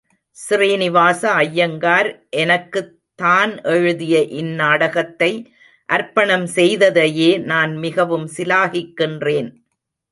ஸ்ரீனிவாச ஐயங்கார் எனக்குத் தான் எழுதிய இந் நாடகத்தை அர்ப்பணம் செய்ததையே நான் மிகவும் சிலாகிக்கின்றேன்.